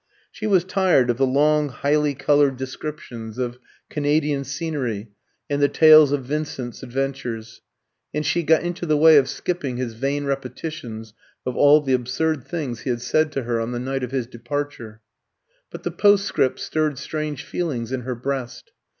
She was tired of the long highly coloured descriptions of Canadian scenery and the tales of Vincent's adventures, and she had got into the way of skipping his vain repetitions of all the absurd things he had said to her on the night of his departure; but the postscript stirred strange feelings in her breast.